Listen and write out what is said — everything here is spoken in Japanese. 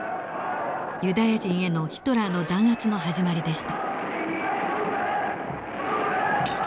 ユダヤ人へのヒトラーの弾圧の始まりでした。